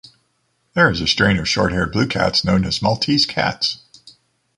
There is a strain of short-haired blue cats known as Maltese cats.